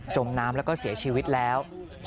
มน้ำแล้วก็เสียชีวิตแล้ว